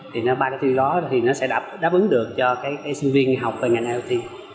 thì đó thì nó sẽ đáp ứng được cho cái sinh viên học về ngành iot